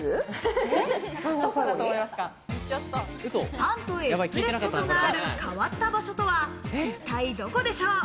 ぱんとえすぷれっそとがある変わった場所とは一体どこでしょう？